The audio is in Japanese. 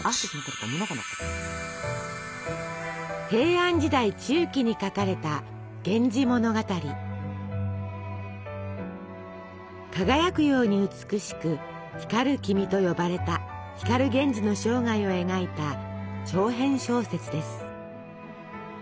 平安時代中期に書かれた輝くように美しく「光る君」と呼ばれた光源氏の生涯を描いた長編小説です。